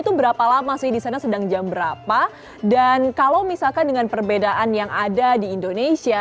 itu berapa lama sih di sana sedang jam berapa dan kalau misalkan dengan perbedaan yang ada di indonesia